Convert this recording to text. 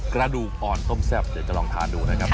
กระดูกอ่อนต้มแซ่บเดี๋ยวจะลองทานดูนะครับ